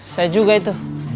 saya juga itu